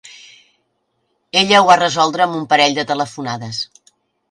Ella ho va resoldre amb un parell de telefonades.